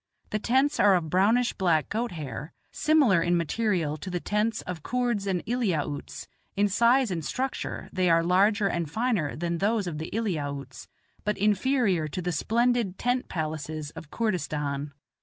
The tents are of brownish black goat hair, similar in material to the tents of Koords and Eliautes; in size and structure they are larger and finer than those of the Eliautes, but inferior to the splendid tent palaces of Koordistan.